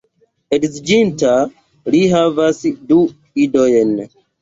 Edziĝinta, li havas du idojn.